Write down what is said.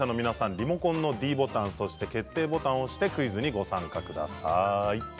リモコンのｄボタン、そして決定ボタンを押してクイズにご参加ください。